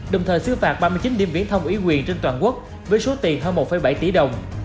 đồng thời xứ phạt ba mươi chín điểm viễn thông ủy quyền trên toàn quốc với số tiền hơn một bảy tỷ đồng